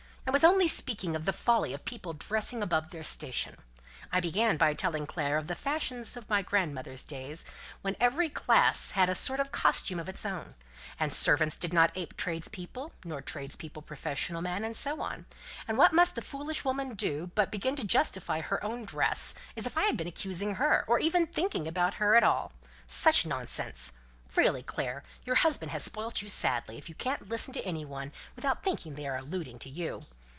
I was only speaking of the folly of people dressing above their station. I began by telling Clare of the fashions of my grandmother's days, when every class had a sort of costume of its own, and servants did not ape tradespeople, nor tradespeople professional men, and so on, and what must the foolish woman do but begin to justify her own dress, as if I had been accusing her, or even thinking about her at all. Such nonsense! Really, Clare, your husband has spoilt you sadly, if you can't listen to any one without thinking they are alluding to you.